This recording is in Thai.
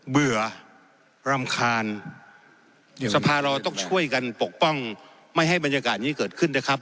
เบื่อรำคาญสภาเราต้องช่วยกันปกป้องไม่ให้บรรยากาศนี้เกิดขึ้นนะครับ